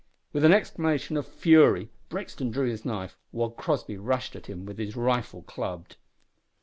With an exclamation of fury Brixton drew his knife, while Crossby rushed at him with his rifle clubbed.